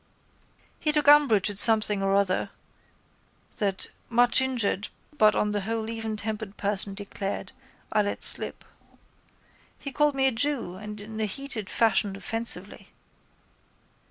—He took umbrage at something or other, that muchinjured but on the whole eventempered person declared, I let slip. He called me a jew and in a heated fashion offensively.